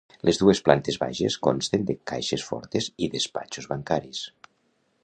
Les dues plantes baixes consten de caixes fortes i despatxos bancaris.